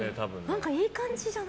何かいい感じじゃない？